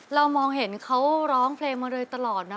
เรามองเห็นเขาร้องเพลงมาโดยตลอดนะ